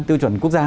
tiêu chuẩn quốc gia